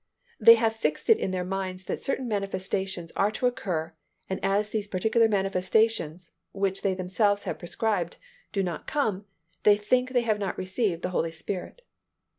They have fixed it in their minds that certain manifestations are to occur and as these particular manifestations, which they themselves have prescribed, do not come, they think they have not received the Holy Spirit.